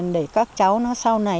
để các cháu nó sau này